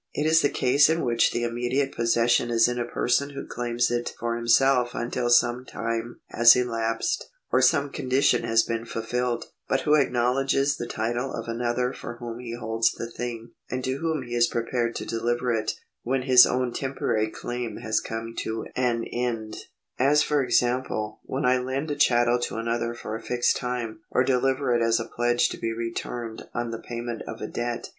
It is the case in which the immediate possession is in a person who claims it for himself until some time has elapsed or some condition has been fulfilled, but who acknowledges the title of another for whom he holds the thing, and to whom he is prepared to deliver it when his own temporary claim has come to an end : as for example when I lend a chattel to another for a fixed time, or deliver it as a pledge to be returned on the payment of a debt.